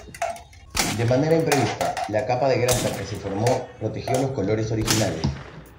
De manera imprevista, la capa de grasa que se formó, protegió los colores originales.